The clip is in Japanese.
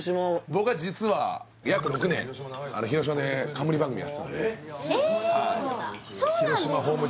僕は実は約６年広島で冠番組やってたんでえっそうなんですね